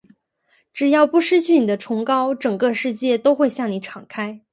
只要不失去你的崇高，整个世界都会向你敞开。